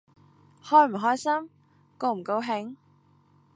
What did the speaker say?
開唔開心？高唔高興？